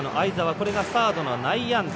これがサードの内野安打。